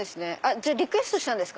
じゃあリクエストしたんですか？